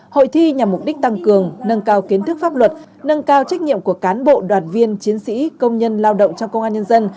hội thi nhằm mục đích tăng cường nâng cao kiến thức pháp luật nâng cao trách nhiệm của cán bộ đoàn viên chiến sĩ công nhân lao động trong công an nhân dân